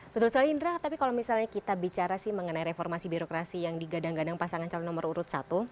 betul sekali indra tapi kalau misalnya kita bicara sih mengenai reformasi birokrasi yang digadang gadang pasangan calon nomor urut satu